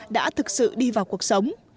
đã thực sự đi vào cuộc sống